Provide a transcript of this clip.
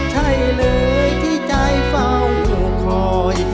ใช่เลยที่ใจเฝ้าคอย